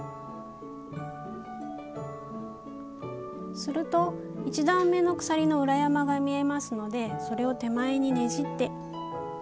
すると１段めの鎖の裏山が見えますのでそれを手前にねじって。